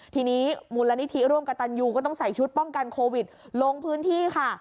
ทีนี้มูลนิธิร่วมกับตันยูก็ต้องใส่ชุดป้องกันโควิดลงพื้นที่ค่ะ